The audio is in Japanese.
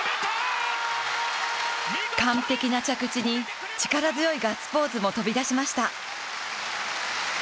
完璧な着地に力強いガッツポーズも飛び出しました。